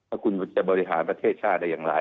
ว่าคุณจะบริหารประเทศชาติได้อย่างไร